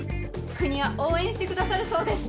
国は応援してくださるそうです。